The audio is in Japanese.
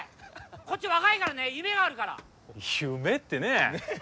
こっち若いからね夢があるから夢ってねえねえ